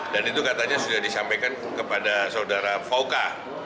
dan itu katanya sudah disampaikan kepada saudara vauca